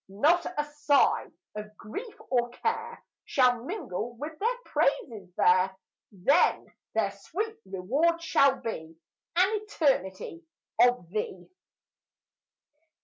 Not a sigh of grief or care Shall mingle with their praises there; Then their sweet reward shall be An eternity of thee.